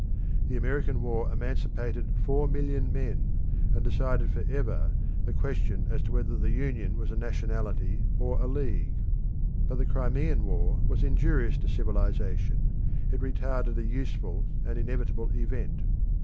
The American War emancipated four million men, and decided for ever the question as to whether the Union was a nationality or a league. But the Crimean War was injurious to civilisation; it retarded a useful and inevitable event.